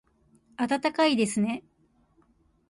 暖かいですね